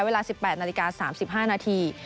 เวลา๑๘นาฬิกา๓๕นาที